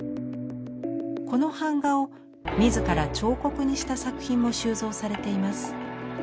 この版画を自ら彫刻にした作品も収蔵されています。